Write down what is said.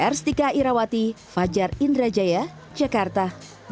r stika irawati fajar indrajaya jakarta